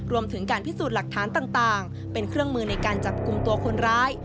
รวมถึงการพิสูจน์หลักฐานต่างเป็นเครื่องมือในการจับกลุ่มตัวคนร้าย